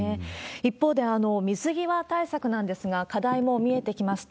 一方で、水際対策なんですが、課題も見えてきました。